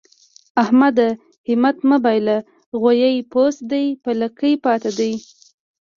احمده! همت مه بايله؛ غويی پوست دی په لکۍ پاته دی.